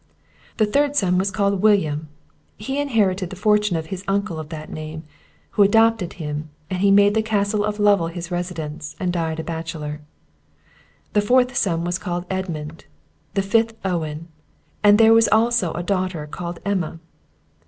The third son was called William; he inherited the fortune of his uncle of that name, who adopted him, and he made the Castle of Lovel his residence, and died a bachelor. The fourth son was called Edmund; the fifth Owen; and there was also a daughter, called Emma.